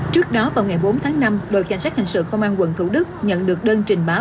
trước đó vào ngày bốn tháng năm đội cảnh sát hình sự công an quận thủ đức nhận được đơn trình báo